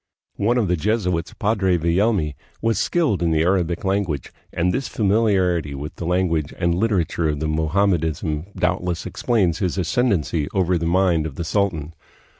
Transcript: One of the Jesuits, Padre Villelmi, was skilled in the Arabic language, and this familiarity with the language and literature of Mo hammedanism doubtless explains his ascendency over the mind of the sultan.